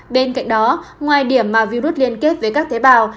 bên cạnh đó ngoài điểm mà virus liên kết với các tế bào